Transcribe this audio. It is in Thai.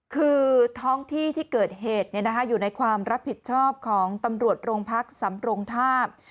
คือท้องที่ที่เกิดเหตุอยู่ในความรับผิดชอบของตำรวจโรงพักสำรงทาบ